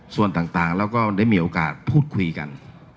ส่วนต่างแล้วก็ได้มีโอกาสพูดคุยกัน